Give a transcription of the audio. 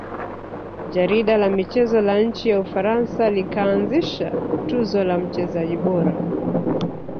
Jarida la michezo la nchi ya ufaransa likaanzisha tuzo za mchezaji bora